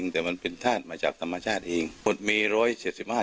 แล้วท่านผู้ชมครับบอกว่าตามความเชื่อขายใต้ตัวนะครับ